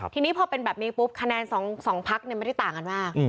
ทีนี้พอเป็นแบบนี้ปุ๊บคะแนนสองภักดิ์มันที่ต่างกันมาก